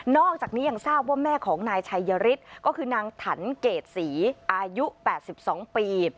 อกจากนี้ยังทราบว่าแม่ของนายชัยยฤทธิ์ก็คือนางถันเกรดศรีอายุ๘๒ปี